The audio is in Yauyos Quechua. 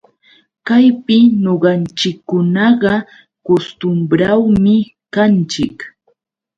Kaypi ñuqanchikkunaqa kustumbrawmi kanchik